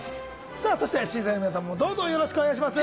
さあそして審査員のみなさんもどうぞよろしくお願いします。